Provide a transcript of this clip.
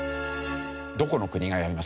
どこの国がやります？